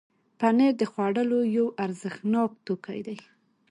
پنېر د خوړو یو ارزښتناک توکی دی.